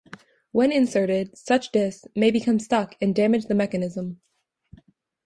When inserted, such discs may become stuck and damage the mechanism.